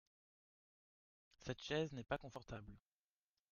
Cette chaise n’est pas confortable.